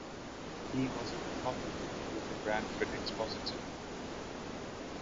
He was a lithographer with the "Brantford Expositor".